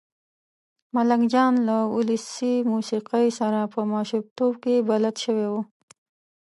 ملنګ جان له ولسي موسېقۍ سره په ماشومتوب کې بلد شوی و.